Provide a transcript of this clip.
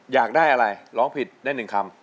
อยากได้อะไรร้องผิดได้๑คำ